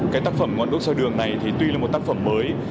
cái tác phẩm ngoạn đốt soi đường này thì tuy là một tác phẩm mới